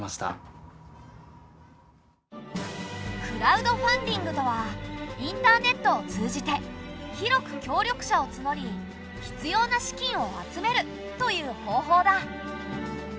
クラウドファンディングとはインターネットを通じて広く協力者をつのり必要な資金を集めるという方法だ。